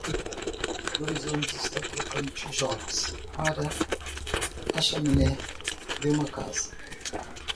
Dois homens estão colocando tijolos para a chaminé de uma casa.